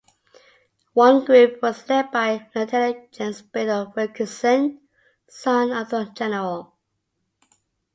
One group was led by Lieutenant James Biddle Wilkinson, son of the General.